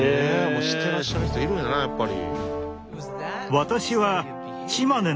もうしてらっしゃる人いるんやなやっぱり。